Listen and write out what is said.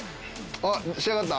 あっ仕上がった？